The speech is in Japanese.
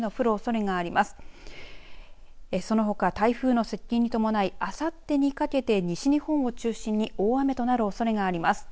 そのほか台風の接近に伴いあさってにかけて西日本を中心に大雨となるおそれがあります。